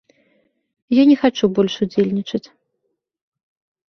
Я не хачу больш удзельнічаць.